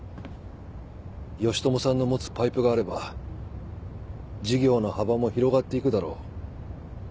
義知さんの持つパイプがあれば事業の幅も広がっていくだろう。